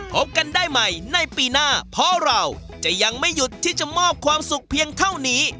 พบกันได้ใหม่ในปีหน้าเพราะเราจะยังไม่หยุดที่จะมอบความสุขเพียงเท่านี้